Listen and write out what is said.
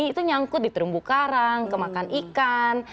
itu nyangkut di terumbu karang kemakan ikan